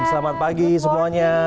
selamat pagi semuanya